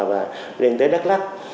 và lên tới đắk lắk